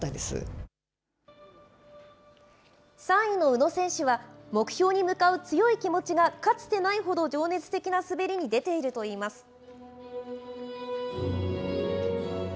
３位の宇野選手は、目標に向かう強い気持ちが、かつてないほど情熱的な滑りに出ているといいます。